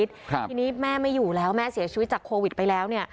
ทีนี้แม่ไม่อยู่แล้วแม่เสียชีวิตจากโควิดไปแล้วเนี่ย